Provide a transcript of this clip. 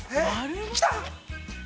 ◆来た。